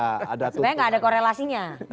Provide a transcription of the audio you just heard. sebenarnya tidak ada korelasinya